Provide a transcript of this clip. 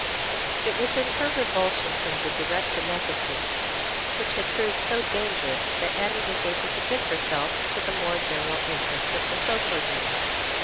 It was in her revulsion from the direct beneficence which had proved so dangerous that Annie was able to give herself to the more general interests of the Social Union.